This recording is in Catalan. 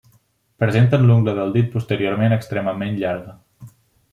Presenten l'ungla del dit posterior extremament llarga.